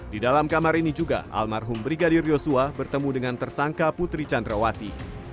di dalam kamar ini juga almarhum brigadir yosua bertemu dengan tersangka putri candrawati